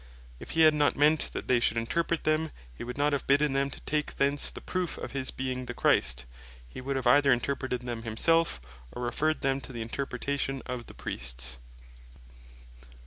If hee had not meant they should Interpret them, hee would not have bidden them take thence the proof of his being the Christ; he would either have Interpreted them himselfe, or referred them to the Interpretation of the Priests.